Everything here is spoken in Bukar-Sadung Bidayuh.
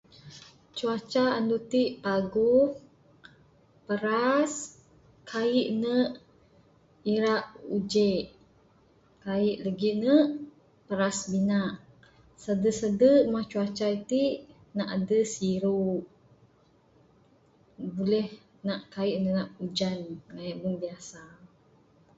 Cuaca anu ti paguh, paras, kaie ne ira ujek. Kaie lagi ne paras binak. Sade-sade mah cuaca iti ne adeh siru. Buleh nak kaie nak ujan kaie meng biasa.